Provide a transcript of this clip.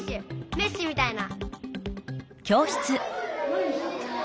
メッシみたいな。